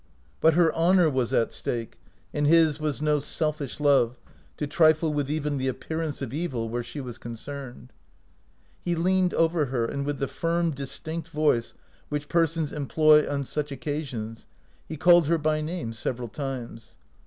But her honor was at stake, and his was no selfish love, to trifle with even the appearance of evil where she was concerned. He leaned over her, and with the firm, dis tinct voice which persons employ on such occasions, he called her by name several times.